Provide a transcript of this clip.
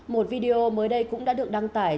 một video mới đây cũng đã được đăng tải